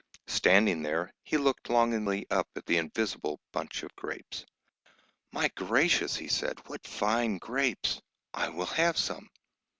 Standing there, he looked longingly up at the invisible bunch of grapes. "My gracious," he said, "what fine grapes! I will have some."